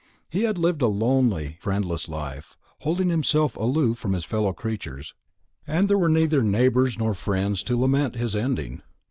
He had lived a lonely friendless life, holding himself aloof from his fellow creatures; and there were neither neighbours nor friends to lament his ending.